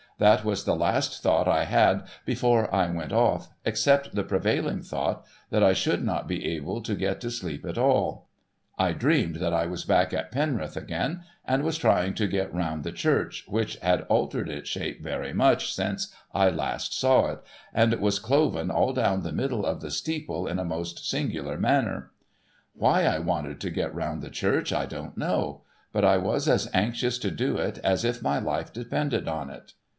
That was the last thought I had before I went off, except the prevailing thought that I should not be able to get to sleep at all. I dreamed that I was back at Penrith again, and was trying to get round the church, which had altered its shape very much since I last saw it, and was cloven all down the middle of the steeple in a most singular manner, ^^'hy I wanted to get round the church I don't know ; but I was as anxious to do it as if my life depended on it.